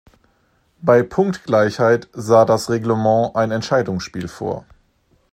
Bei Punktgleichheit sah dea Reglement ein Entscheidungsspiel vor.